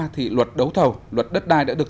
thì luật đấu thầu luật đất đai đã được